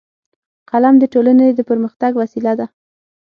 قلم د ټولنې د پرمختګ وسیله ده